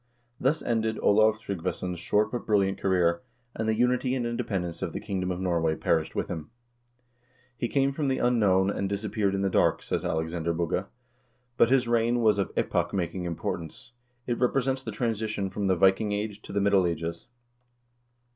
2 Thus ended Olav Tryggvason's short but brilliant career, and the unity and independence of the kingdom of Norway perished with himi " He came from the unknown, and disappeared in the dark," says Alexander Bugge, "but his reign was of epoch making importance. It represents the transition from the Viking Age to the Middle Ages."